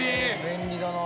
便利だな。